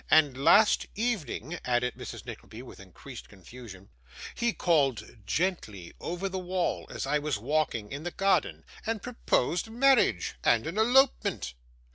And last evening,' added Mrs. Nickleby, with increased confusion, 'he called gently over the wall, as I was walking in the garden, and proposed marriage, and an elopement.